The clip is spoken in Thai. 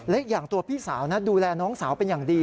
และอย่างตัวพี่สาวดูแลน้องสาวเป็นอย่างดี